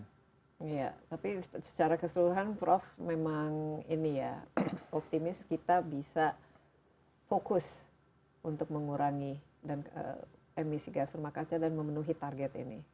iya tapi secara keseluruhan prof memang ini ya optimis kita bisa fokus untuk mengurangi emisi gas rumah kaca dan memenuhi target ini